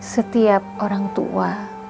setiap orang tua